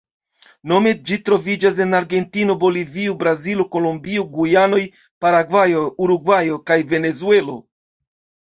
Nome ĝi troviĝas en Argentino, Bolivio, Brazilo, Kolombio, Gujanoj, Paragvajo, Urugvajo, kaj Venezuelo.